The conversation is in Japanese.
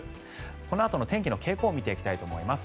このあとの天気の傾向を見ていきたいと思います。